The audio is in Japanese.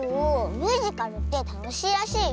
ミュージカルってたのしいらしいよ。